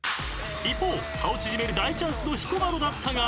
［一方差を縮める大チャンスの彦摩呂だったが］